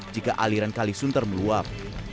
jika aliran kali sunter meluap